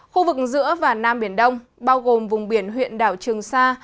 khu vực giữa và nam biển đông bao gồm vùng biển huyện đảo trường sa